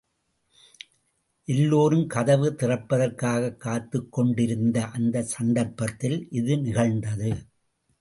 எல்லோரும் கதவு திறப்பதற்காகக் காத்துக் கொண்டிருந்த அந்தச் சந்தர்ப்பத்தில் இது நிகழ்ந்தது.